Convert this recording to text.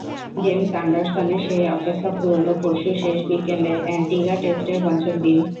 James অ্যান্ডারসনের সেই অপেক্ষা ফুরোল পরশু শেষ বিকেলে, অ্যান্টিগা টেস্টের পঞ্চম দিন।